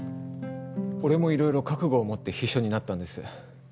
俺もいろいろ覚悟を持って秘書になったんです。